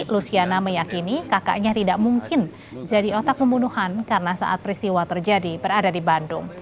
luciana meyakini kakaknya tidak mungkin jadi otak pembunuhan karena saat peristiwa terjadi berada di bandung